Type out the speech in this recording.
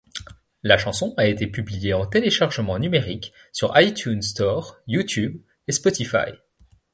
La chanson a été publiée en téléchargement numérique sur iTunes Store, YouTube et Spotify.